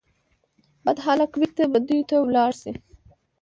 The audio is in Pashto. بد هلک بیرته بدیو ته ولاړ سي